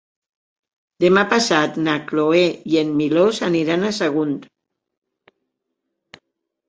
Demà passat na Cloè i en Milos aniran a Sagunt.